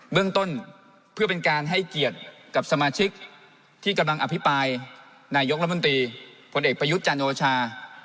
เรื่องต้นเพื่อเป็นการให้เกียรติกับสมาชิกที่กำลังอภิปรายนายกรัฐมนตรีผลเอกประยุทธ์จันโอชา